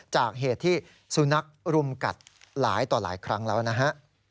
จากเหตุที่สุนัขรุมกัดหลายต่อหลายครั้งแล้วนะฮะ